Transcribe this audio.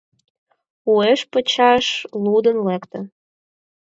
Уэш-пачаш лудын лекте.